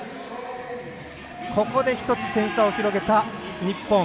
ここで１つ点差を広げた日本。